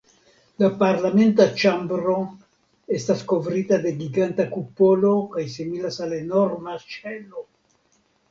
La parlamenta ĉambro estas kovrita de giganta kupolo kaj similas al enorma ŝelo.